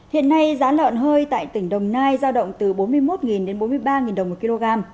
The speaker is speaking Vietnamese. hiện nay giá lợn hơi tại tỉnh đồng nai giao động từ bốn mươi một đến bốn mươi ba đồng một kg